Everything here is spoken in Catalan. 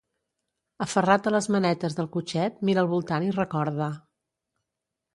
Aferrat a les manetes del cotxet mira al voltant i recorda.